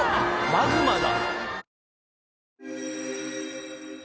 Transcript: マグマだ。